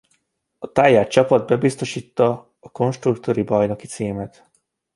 A Tyrrell csapat bebiztosította konstruktőri bajnoki címét.